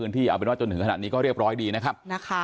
พื้นที่ออกไปนอกจนถึงขนาดนี้ต้องเรียบร้อยดีนะครับ